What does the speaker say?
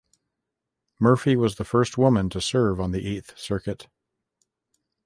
Murphy was the first woman to serve on the Eighth Circuit.